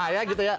ya gitu ya